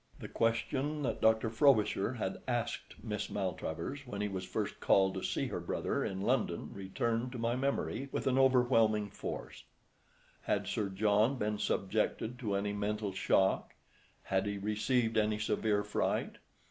The question that Dr. Frobisher had asked Miss Maltravers when he was first called to see her brother in London returned to my memory with an overwhelming force. "Had Sir John been subjected to any mental shock; had he received any severe fright?"